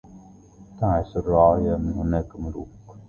تعس الرعايا من هناء ملوك